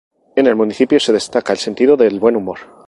En el municipio se destaca el sentido del buen humor.